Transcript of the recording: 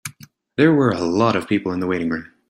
There were a lot of people in the waiting room.